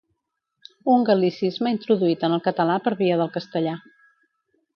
Un gal·licisme introduït en el català per via del castellà.